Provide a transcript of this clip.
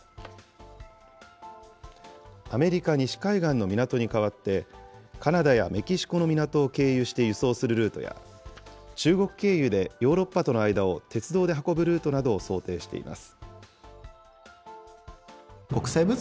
アメリカ西海岸の港に代わって、カナダやメキシコの港を経由して輸送するルートや、中国経由でヨーロッパとの間を鉄道で運ぶルートなどを想定しています。